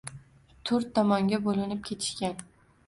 To‘rt tomonga bo‘linib ketishgan.